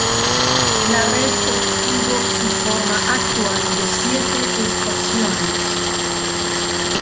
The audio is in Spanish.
La red obtuvo su forma actual de siete estaciones.